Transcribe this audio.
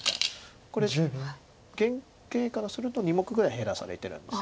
これ原形からすると２目ぐらい減らされてるんです。